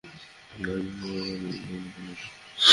Follow চপারের জন্য কোন পাইলট নেই।